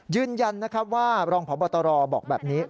ยืนยันว่ารองพบตรบอกแบบนี้